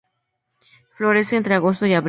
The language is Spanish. Florece entre agosto y abril.